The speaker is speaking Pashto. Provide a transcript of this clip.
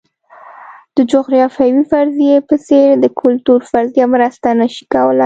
د جغرافیوي فرضیې په څېر د کلتور فرضیه مرسته نه شي کولای.